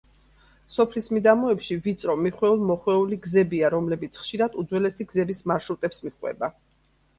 სოფლის მიდამოებში ვიწრო, მიხვეულ–მოხვეული გზებია, რომლებიც ხშირად უძველესი გზების მარშრუტებს მიჰყვება.